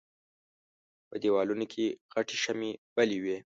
په دېوالونو کې غټې شمعې بلې وې.